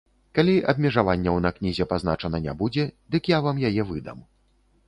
Калі абмежаванняў на кнізе пазначана не будзе, дык я вам яе выдам.